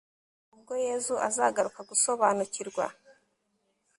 ubwo yezu azagaruka gusobanukirwa